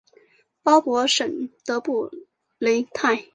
鲍博什德布雷泰。